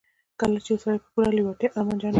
کله چې يو سړی په پوره لېوالتیا ارمانجن وي.